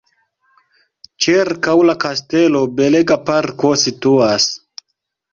Ĉirkaŭ la kastelo belega parko situas.